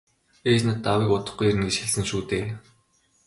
- Ээж надад аавыг удахгүй ирнэ гэж хэлсэн шүү дээ.